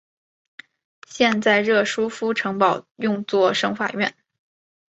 现在热舒夫城堡用作省法院。